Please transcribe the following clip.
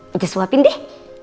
mates suapin deh